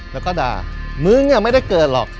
แล้วก็ด่ามึงไม่ได้เกิดหรอก